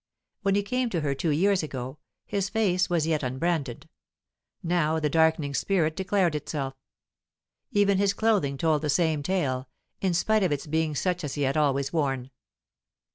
When he came to her two years ago, his face was yet unbranded; now the darkening spirit declared itself. Even his clothing told the same tale, in spite of its being such as he had always worn.